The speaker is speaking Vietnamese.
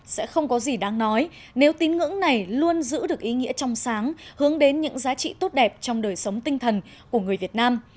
sẽ không có gì đáng nói nếu tín ngưỡng này luôn giữ được ý nghĩa trong sáng hướng đến những giá trị tốt đẹp trong đời sống tinh thần của người việt nam